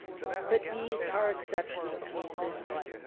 But these are exceptional cases.